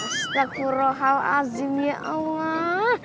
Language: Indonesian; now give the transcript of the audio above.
astagfirullahaladzim ya allah